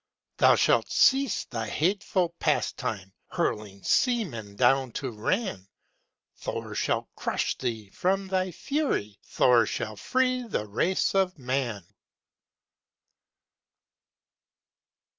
Thou shalt cease thy hateful pastime, Hurling seamen down to Ran: Thor shall crush thee; from thy fury Thor shall free the race of man.